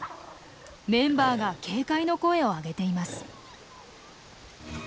メンバーが警戒の声を上げています。